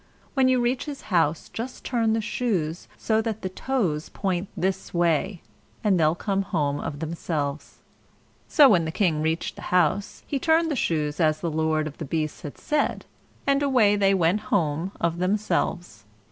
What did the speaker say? When you reach his house, just turn the shoes so that the toes point this way, and they'll come home of themselves." So when the King reached the house, he turned the shoes as the lord of the beasts had said, and away they went home of themselves.